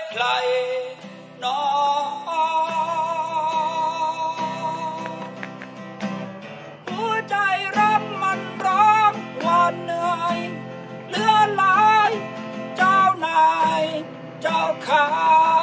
เหลือไหลเจ้าหน่ายเจ้าข้า